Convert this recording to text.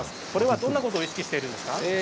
どんなことを意識しているんですか？